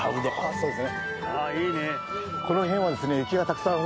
そうです。